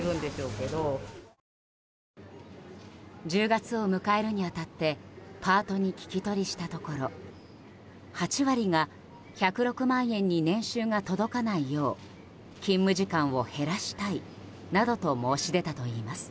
１０月を迎えるに当たってパートに聞き取りしたところ８割が１０６万円に年収が届かないよう勤務時間を減らしたいなどと申し出たといいます。